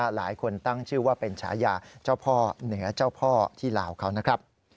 หลายคนตั้งชื่อว่าเป็นฉายาเจ้าพ่อเหนือเจ้าพ่อที่ลาวเขานะครับ